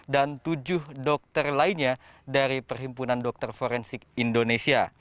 dan tujuh dokter lainnya dari perhimpunan dokter forensik indonesia